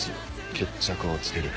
決着をつける。